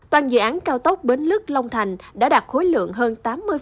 toàn dự án cao tốc bến lức long thành đã đạt khối lượng hơn tám mươi